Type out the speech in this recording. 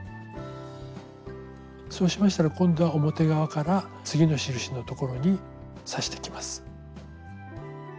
そうしましたら今度は表側から次の印のところに刺していきます。